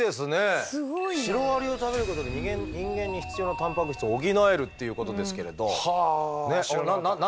シロアリを食べることで人間に必要なたんぱく質を補えるっていうことですけれど。